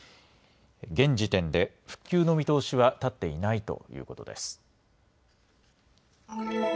現時点で復旧の見通しは立っていないということです。